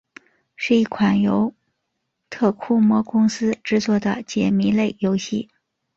是一款由特库摩公司制作的解谜类游戏。